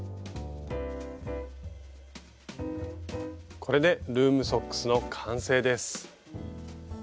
これでルームソックスの完成です。